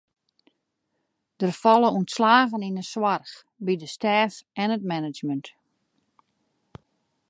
Der falle ûntslaggen yn de soarch, by de stêf en it management.